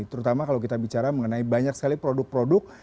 terutama kalau kita bicara mengenai banyak sekali produk produk